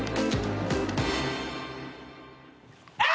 あ！！